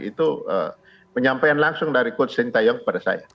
itu menyampaikan langsung dari coach sintayang kepada saya